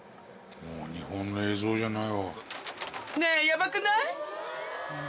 もう日本の映像じゃないわ。